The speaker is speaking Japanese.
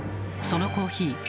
そのコーヒー